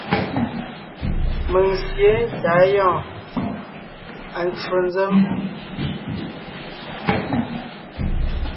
Mèŋ sǐe tà á gyɔ́ɔn; À ncwò nzèm.